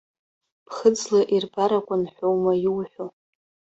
Ԥхыӡла ирбар акәын ҳәоума иуҳәо?